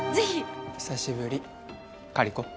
久しぶりカリコ。